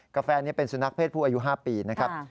แฟนี้เป็นสุนัขเพศผู้อายุ๕ปีนะครับ